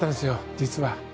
実は。